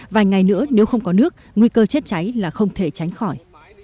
vài ngày nữa nếu không có nước nguy cơ chết cháy là không thể tránh khỏi